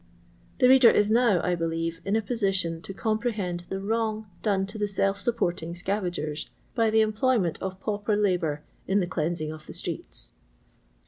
The reader ia now, I believe, in a position to comprehend the wrong done to the self supporting scavagers by the emjdoyment of pauper labour in the cleansing of the streets.